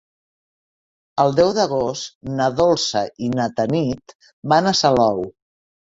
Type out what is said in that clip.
El deu d'agost na Dolça i na Tanit van a Salou.